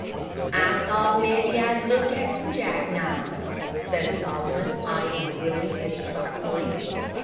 "I thought mebbe I'd look at some jack knives," said Solomon, eyeing Willie distrustfully.